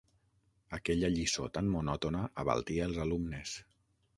Aquella lliçó tan monòtona abaltia els alumnes.